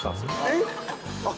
えっ？